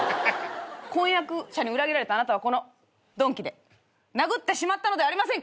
婚約者に裏切られたあなたはこの鈍器で殴ってしまったのではありませんか？